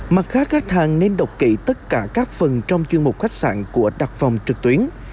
mặt khác khách hàng nên đọc kỹ tất cả các phần trong chuyên mục khách sạn của đặt phòng trực tuyến